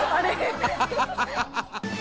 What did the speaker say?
ハハハハ！